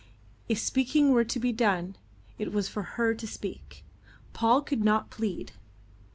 If speaking were to be done, it was for her to speak. Paul could not plead.